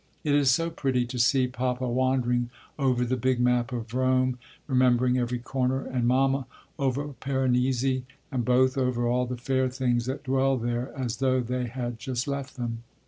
It is so pretty to see Papa wandering over the big map of Rome remembering every corner, and Mama over Piranesi, and both over all the fair things that dwell there as tho' they had just left them.